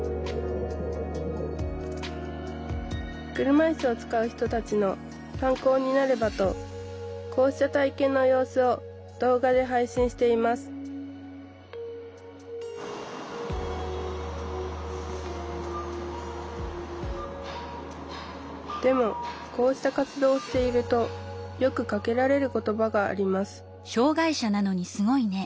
車いすを使う人たちの参考になればとこうした体験の様子を動画で配信していますでもこうした活動をしているとよくかけられる言葉があります